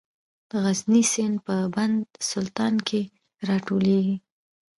د غزني سیند په بند سلطان کې راټولیږي